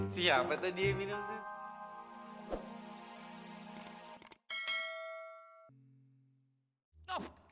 siapa tadi yang minum susu